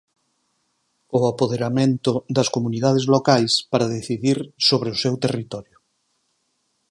O apoderamento das comunidades locais para decidir sobre o seu territorio.